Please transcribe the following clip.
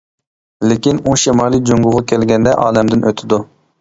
لېكىن، ئۇ شىمالىي جۇڭگوغا كەلگەندە ئالەمدىن ئۆتىدۇ.